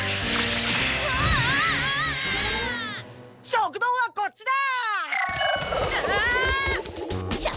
食堂はこっちだ！